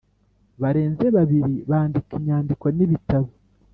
barenze babiri bandika inyandiko n ibitabo